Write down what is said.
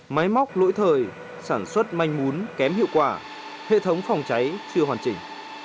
máy móc lỗi thời sản xuất manh mún kém hiệu quả hệ thống phòng cháy chưa hoàn chỉnh